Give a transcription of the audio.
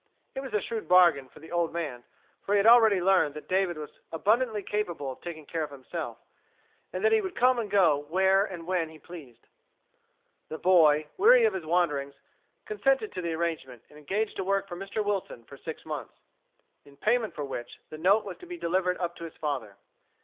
It was a shrewd bargain for the old man, for he had already learned that David was abundantly capable of taking care of himself, and that he would come and go when and where he pleased. The boy, weary of his wanderings, consented to the arrangement, and engaged to work for Mr. Wilson for six months, in payment for which, the note was to be delivered up to his father.